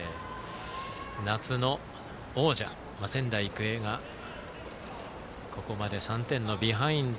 夏の王者仙台育英がここまで３点のビハインド。